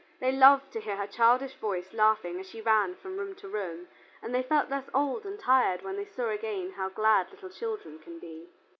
They loved to hear her childish voice laughing as she ran from room to room, and they felt less old and tired when they saw again how glad little children can be.